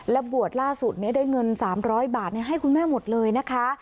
และบวชล่าสุดได้เงิน๓๐๐บาทให้คุณแม่หมดเลยนะคะ